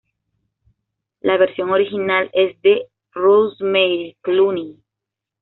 La versión original es de Rosemary Clooney.